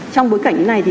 trong bối cảnh này